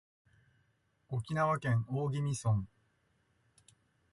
沖縄県大宜味村